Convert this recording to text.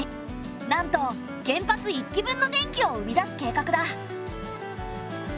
なんと原発一基分の電気を生み出す計画だ。